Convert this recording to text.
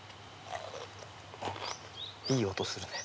いい音するね。